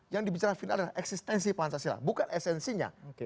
yang dibicara final adalah eksistensi pancasila bukan esensinya